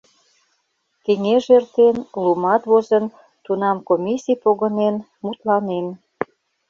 Кеҥеж эртен, лумат возын, тунам комиссий погынен, мутланен.